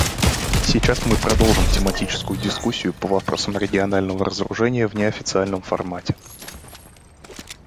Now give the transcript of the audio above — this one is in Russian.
Сейчас мы продолжим тематическую дискуссию по вопросам регионального разоружения в неофициальном формате.